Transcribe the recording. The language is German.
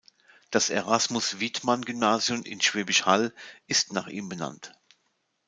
Das Erasmus-Widmann-Gymnasium in Schwäbisch Hall ist nach ihm benannt.